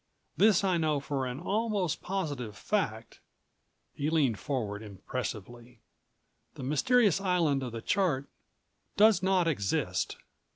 This I know for an almost positive fact," he leaned forward impressively: "The mysterious island of the chart does not exist."